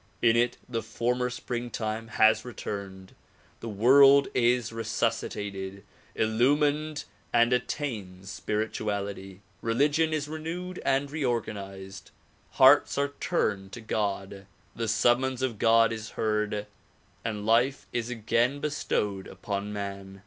In it the former springtime has returned, the world is resuscitated, illumined and attains spirituality; religion is renewed and reorganized, hearts are turned to God, the summons of God is heard and life is again bestowed upon man.